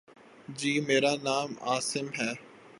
جی، میرا نام عاصم ہے